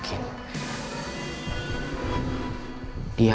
bapak mau ke rumah